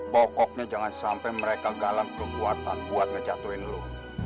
pokoknya jangan sampai mereka galang kebuatan buat ngejatuhin lo